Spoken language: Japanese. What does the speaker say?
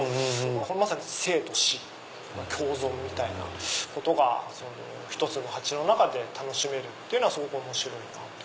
まさに生と死の共存みたいなことが１つの鉢の中で楽しめるのはすごく面白いなと。